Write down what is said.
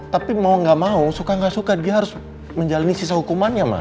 tapi mau gak mau suka gak suka dia harus menjalani sisa hukumannya ma